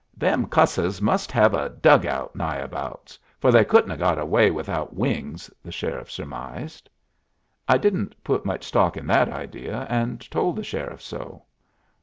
"Them cusses must have a dugout nigh abouts, for they couldn't 'a' got away without wings," the sheriff surmised. I didn't put much stock in that idea, and told the sheriff so.